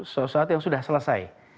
sesuatu yang sudah selesai